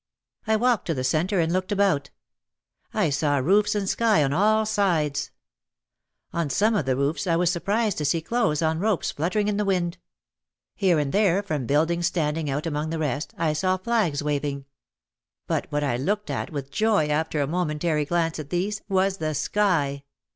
,, I walked to the centre and looked about. I saw roofs and sky on all sides. On some of the roofs I was sur OUT OF THE SHADOW 77 prised to see clothes on ropes fluttering in the wind. Here and there from buildings standing out among the rest, I saw flags waving. But what I looked at with joy after a momentary glance at these, was the sky!